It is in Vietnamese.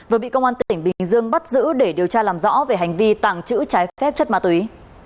vừa bị công an tỉnh bình dương bắt giữ để điều tra làm rõ về hành vi tàng trữ trái phép chất ma túy